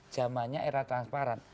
jamanya era transparan